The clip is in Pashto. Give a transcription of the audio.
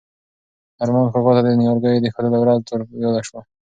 ارمان کاکا ته د نیالګیو د ایښودلو ورځ وریاده شوه.